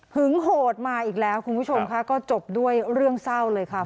โหดมาอีกแล้วคุณผู้ชมค่ะก็จบด้วยเรื่องเศร้าเลยค่ะ